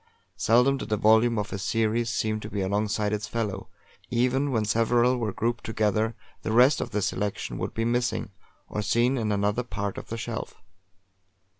Seldom did a volume of a series seem to be alongside its fellow; even when several were grouped together, the rest of the selection would be missing, or seen in another part of the shelf.